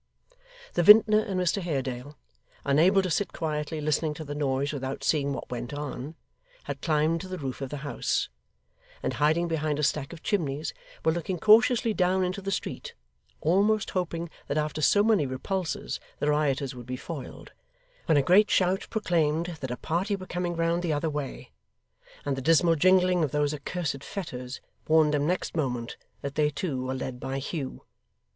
The vintner and Mr Haredale, unable to sit quietly listening to the noise without seeing what went on, had climbed to the roof of the house, and hiding behind a stack of chimneys, were looking cautiously down into the street, almost hoping that after so many repulses the rioters would be foiled, when a great shout proclaimed that a parry were coming round the other way; and the dismal jingling of those accursed fetters warned them next moment that they too were led by Hugh.